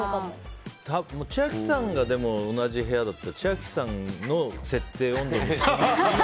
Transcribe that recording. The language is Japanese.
千秋さんが同じ部屋だったら千秋さんの設定温度にするかも。